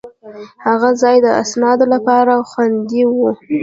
هغه ځای د اسنادو لپاره خوندي و.